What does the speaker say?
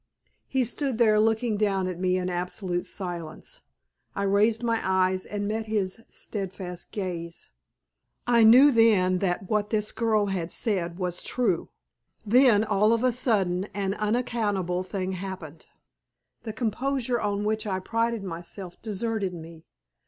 He stood there looking down at me in absolute silence. I raised my eyes and met his steadfast gaze. I knew then that what this girl had said was true. Then all of a sudden an unaccountable thing happened. The composure on which I prided myself deserted me.